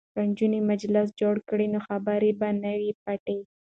که نجونې مجلس جوړ کړي نو خبرې به نه وي پټې.